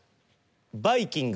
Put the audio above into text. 「バイキング」